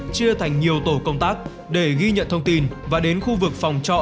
chia thành nhiều tổ công tác để ghi nhận thông tin và đến khu vực phòng trọ